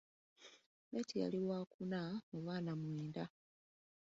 Beti yali wakuna mu baana mwenda